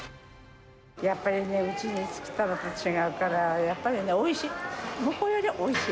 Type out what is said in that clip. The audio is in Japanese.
やっぱりね、うちで作ったのと違うから、やっぱりね、おいしい。